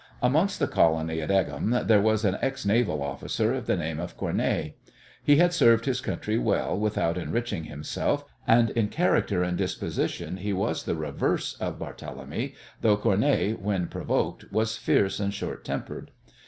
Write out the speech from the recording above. Amongst the colony at Egham there was an ex naval officer of the name of Cournet. He had served his country well without enriching himself, and in character and disposition he was the reverse of Barthélemy, though Cournet, when provoked, was fierce and short tempered.